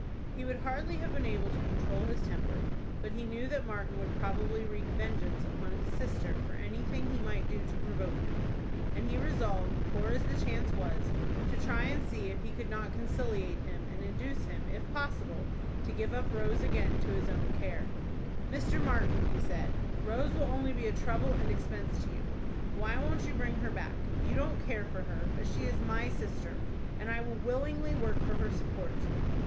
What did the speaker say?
He would hardly have been able to control his temper, but he knew that Martin would probably wreak vengeance upon his sister for anything he might do to provoke him, and he resolved, poor as the chance was, to try and see if he could not conciliate him, and induce him, if possible, to give up Rose again to his own care. "Mr. Martin," he said, "Rose will only be a trouble and expense to you. Why won't you bring her back? You don't care for her; but she is my sister, and I will willingly work for her support."